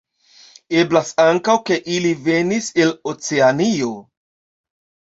Eblas ankaŭ, ke ili venis el Oceanio.